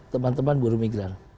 teman teman buru migran